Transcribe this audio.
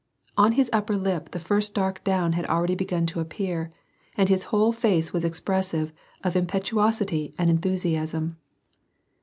On his upper lip the first dark down had already begun to appear, and his whole face was expressive of impetuosity and enthusiasm.